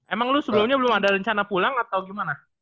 emang lu sebelumnya belum ada rencana pulang atau gimana